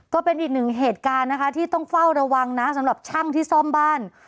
ก็เป็นอีกหนึ่งเหตุการณ์นะคะที่ต้องเฝ้าระวังนะสำหรับช่างที่ซ่อมบ้าน